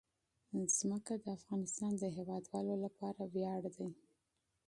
ځمکه د افغانستان د هیوادوالو لپاره ویاړ دی.